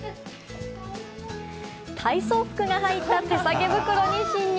体操服が入った手提げ袋に侵入。